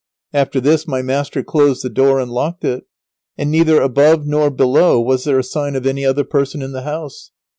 After this my master closed the door and locked it, and neither above nor below was there a sign of any other person in the house.